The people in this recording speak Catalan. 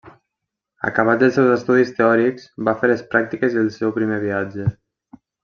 Acabats els seus estudis teòrics, va fer les pràctiques i el seu primer viatge.